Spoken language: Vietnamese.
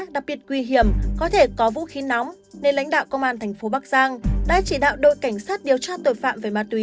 đặc biệt nguy hiểm có thể có vũ khí nóng nên lãnh đạo công an thành phố bắc giang đã chỉ đạo đội cảnh sát điều tra tội phạm về ma túy